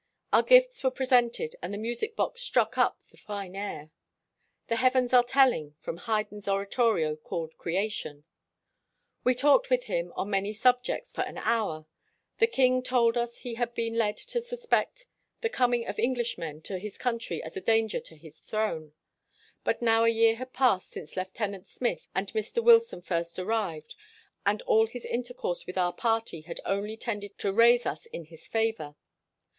Our gifts were presented, and the music box struck up the fine air, 'The heavens are telling,' from Haydn's oratorio called 'Creation.' "We talked with him on many subjects for an hour. The king told us he had been led to suspect the coming of Englishmen to his country as a danger to his throne, but now a year had passed since Lieutenant Smith and Mr. Wilson first arrived, and all his intercourse with our party had only tended to raise us in his favor.